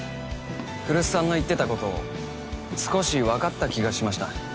来栖さんの言ってたこと少しわかった気がしました。